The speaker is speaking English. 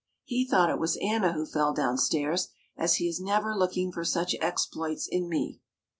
He thought it was Anna who fell down stairs, as he is never looking for such exploits in me.